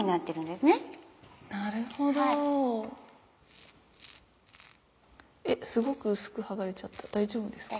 すごく薄く剥がれちゃった大丈夫ですか？